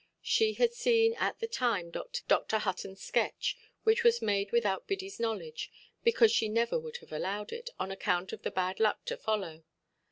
She had seen at the time Dr. Huttonʼs sketch, which was made without Biddyʼs knowledge, because she never would have allowed it, on account of the bad luck to follow.